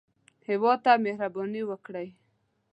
هېواد ته مهرباني وکړئ